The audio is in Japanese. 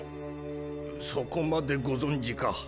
そこまでご存じか。